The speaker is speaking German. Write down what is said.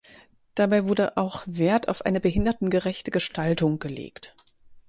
Dabei wurde auch Wert auf eine behindertengerechte Gestaltung gelegt.